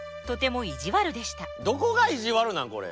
とてもいじわるでしたどこがいじわるなん？